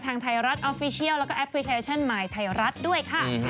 ไทยรัฐออฟฟิเชียลแล้วก็แอปพลิเคชันมายไทยรัฐด้วยค่ะ